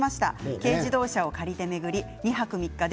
軽自動車を借りて２泊３日で